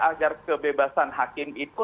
agar kebebasan hakim itu